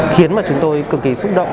khiến mà chúng tôi cực kỳ xúc động